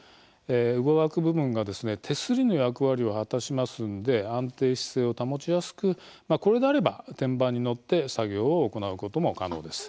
上枠部分が手すりの役割を果たしますので安定姿勢を保ちやすくこれであれば天板に乗って作業を行うことも可能です。